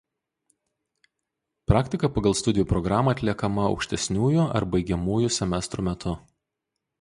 Praktika pagal studijų programą atliekama aukštesniųjų ar baigiamųjų semestrų metu.